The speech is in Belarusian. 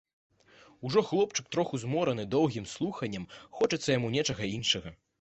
Ужо хлопчык троху змораны доўгім слуханнем, хочацца яму нечага іншага.